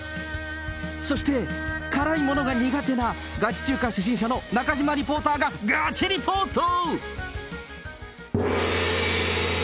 そして、辛い物が苦手なガチ中華初心者の中島リポーターがガチリポート。